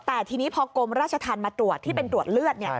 แต่ทีนี้พอกรมราชธรรมมาตรวจที่เป็นตรวจเลือด